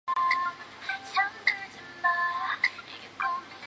而专辑并未收录该曲目。